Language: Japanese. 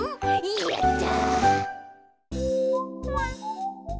やった！